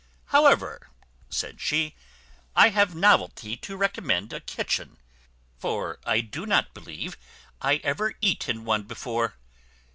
"However," said she, "I have novelty to recommend a kitchen; for I do not believe I ever eat in one before."